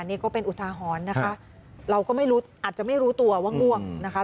นี่ก็เป็นอุทาหรณ์นะคะเราก็ไม่รู้อาจจะไม่รู้ตัวว่าง่วงนะคะ